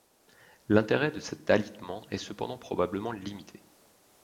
L'intérêt de cet alitement est cependant probablement limité.